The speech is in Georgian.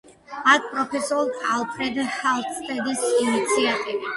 აქ პროფესორ ალფრედ ჰალსტედის ინიციატივით